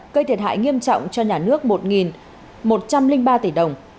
gây thiệt hại nghiêm trọng cho nhà nước một một trăm linh ba tỷ đồng